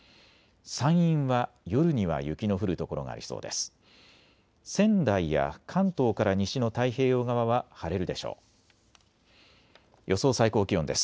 山陰は夜には雪の降る所がありそうです。